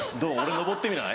登ってみない？